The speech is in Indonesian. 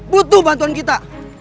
butuh bantuan kita